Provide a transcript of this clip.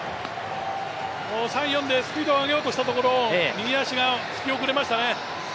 ３、４でスピードを上げようとしたところ、右足が遅れましたね。